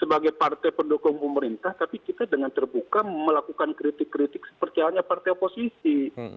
sebagai partai pendukung pemerintah tapi kita dengan terbuka melakukan kritik kritik seperti halnya partai oposisi